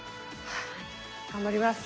はい頑張ります！